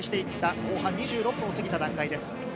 後半２６分を過ぎた段階です。